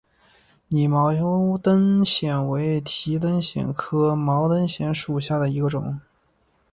拟毛灯藓为提灯藓科毛灯藓属下的一个种。